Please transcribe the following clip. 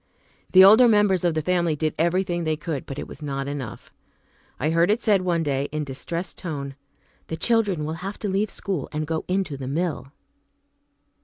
The older members of the family did everything they could, but it was not enough. I heard it said one day, in a distressed tone, "The children will have to leave school and go into the mill."